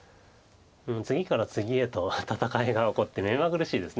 次から次へと戦いが起こって目まぐるしいです